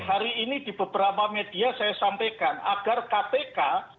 hari ini di beberapa media saya sampaikan agar kpk